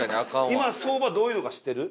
今相場どういうのか知ってる？